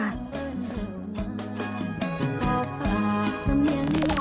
โปรดติดตามตอนต่อไป